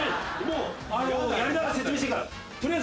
もうやりながら説明。